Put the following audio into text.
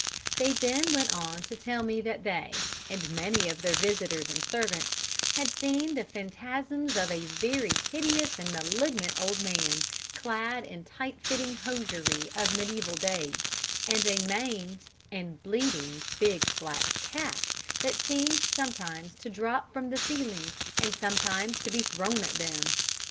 They then went on to tell me that they and many of their visitors and servants had seen the phantasms of a very hideous and malignant old man, clad in tight fitting hosiery of mediæval days, and a maimed and bleeding big, black cat, that seemed sometimes to drop from the ceiling, and sometimes to be thrown at them.